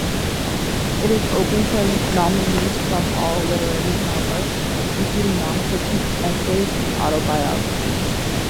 It is open for nominees from all literary genres, including non-fiction essays and autobiographies.